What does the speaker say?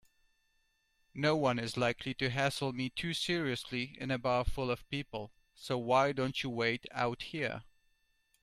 Noone is likely to hassle me too seriously in a bar full of people, so why don't you wait out here?